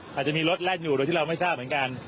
อาจจะมีรถแล่นอยู่โดยที่เราไม่ทราบเหมือนกัน